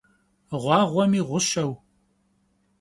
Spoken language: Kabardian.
Ğuağuemi ğuşeu.